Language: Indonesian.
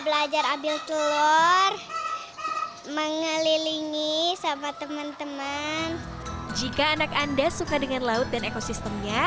belajar ambil telur mengelilingi sama teman teman jika anak anda suka dengan laut dan ekosistemnya